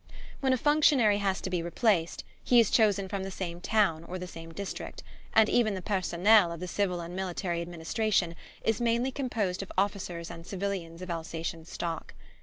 When a functionary has to be replaced he is chosen from the same town or the same district, and even the personnel of the civil and military administration is mainly composed of officers and civilians of Alsatian stock.